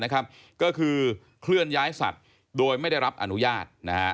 ก็คือเคลื่อนย้ายสัตว์โดยไม่ได้รับอนุญาต